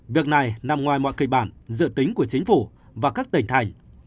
việc này nằm ngoài mọi kịch bản dự tính của chính phủ và các tỉnh thành